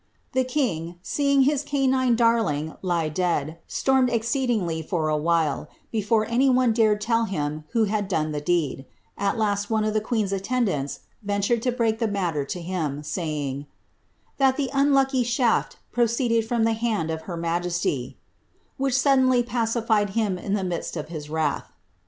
* The king, seeing his canine darling lie dead, stormed exceedingly for a while, bdbre any one dared tell him who had done the deed ; at last, «>ne of the queen^s attendants ventured to break the matter to him, say ing, ^ that the unlucky shaft proceeded from the hand of her majesty,'* which suddenly pacified him in the midst of his wrath.